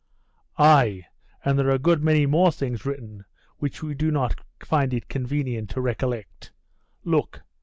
'Ah! there are a good many more things written which we do not find it convenient to recollect. Look!